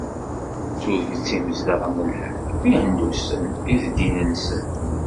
Tuget imezdaɣ n Lhend d tihendusit i d ddin-nsen.